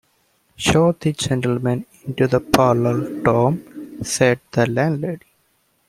‘Show the gentlemen into the parlour, Tom,’ said the landlady.